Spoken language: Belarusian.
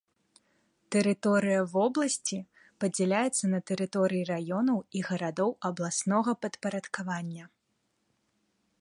Тэрыторыя вобласці падзяляецца на тэрыторыі раёнаў і гарадоў абласнога падпарадкавання.